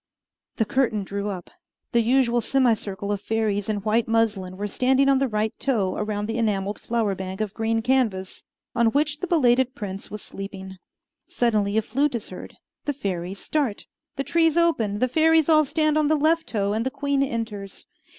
The curtain drew up. The usual semicircle of fairies in white muslin were standing on the right toe around the enameled flower bank of green canvas, on which the belated prince was sleeping. Suddenly a flute is heard. The fairies start. The trees open, the fairies all stand on the left toe, and the queen enters.